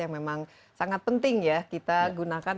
yang memang sangat penting ya kita gunakan